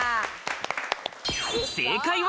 正解は。